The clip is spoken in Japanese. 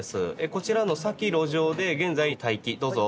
こちらの先路上で現在待機どうぞ。